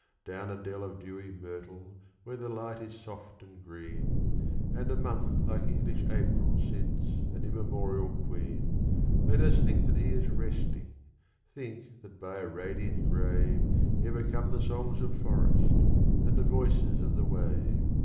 Down a dell of dewy myrtle, where the light is soft and green, And a month like English April sits, an immemorial queen, Let us think that he is resting think that by a radiant grave Ever come the songs of forest, and the voices of the wave!